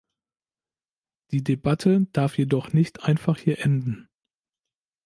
Die Debatte darf jedoch nicht einfach hier enden.